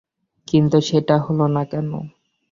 কিন্তু সেটা হলো না কেন?